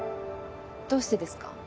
どうしてですか？